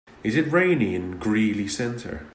Is it rainy in Greely Center?